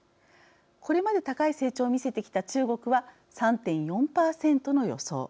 これまで高い成長を見せてきた中国は３．４％の予想。